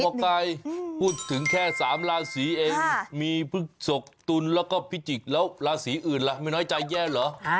ไก่พูดถึงแค่๓ราศีเองมีพฤกษกตุลแล้วก็พิจิกแล้วราศีอื่นล่ะไม่น้อยใจแย่เหรอ